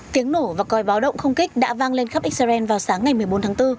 tiếng nổ và coi báo động không kích đã vang lên khắp israel vào sáng ngày một mươi bốn tháng bốn